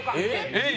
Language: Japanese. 「えっ？」